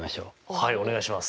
はいお願いします。